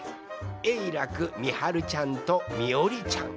えいらくみはるちゃんとみおりちゃん。